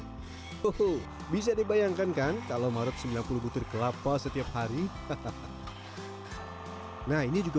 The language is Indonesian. hai tuh bisa dibayangkan kan kalau marut sembilan puluh butir kelapa setiap hari hahaha nah ini juga